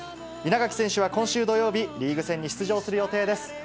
稲垣選手は今週土曜日、リーグ戦に出場する予定です。